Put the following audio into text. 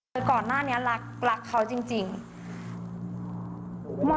เชิญขึ้นอย่างดีจังนะว่า